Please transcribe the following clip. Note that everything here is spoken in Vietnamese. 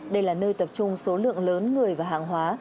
đây là nơi tập trung số lượng lớn người và hàng hóa